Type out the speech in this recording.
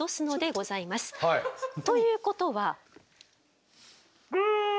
ということは。